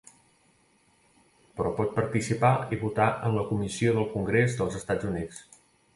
Però pot participar i votar en la Comissió del Congrés dels Estats Units.